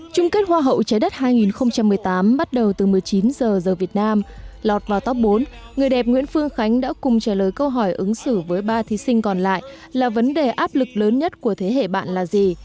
trung kết hoa hậu trái đất hai nghìn một mươi tám bắt đầu từ một mươi chín giờ giờ giờ giờ việt nam lọt vào top bốn người đẹp nguyễn phương khánh đã cùng trả lời câu hỏi ứng xử với ba thí sinh còn lại là vấn đề áp lực lớn nhất của thế hệ bạn là gì